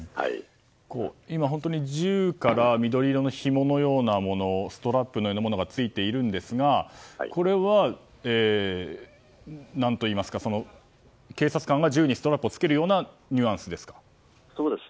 銃から緑色のひものようなストラップのようなものがついているんですがこれは警察官が銃にストラップをつけるようなそうです。